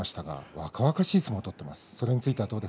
若々しい相撲を取っていますね。